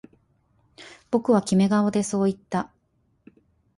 僕はキメ顔でそう言った